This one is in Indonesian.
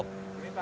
pas di situ dulu